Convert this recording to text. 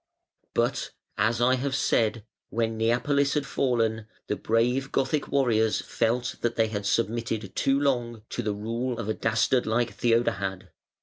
But, as I have said, when Neapolis had fallen, the brave Gothic warriors felt that they had submitted too long to the rule of a dastard like Theodahad.